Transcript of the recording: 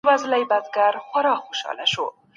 ميرويس خان نيکه له جغرافیوي موقعیت څخه څنګه ګټه پورته کړه؟